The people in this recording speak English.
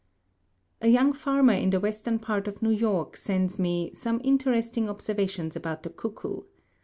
A young farmer in the western part of New York sends me ... some interesting observations about the cuckoo.